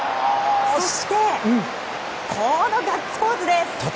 そして、このガッツポーズです。